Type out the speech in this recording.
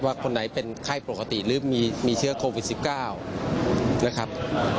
คนไหนเป็นไข้ปกติหรือมีเชื้อโควิด๑๙นะครับ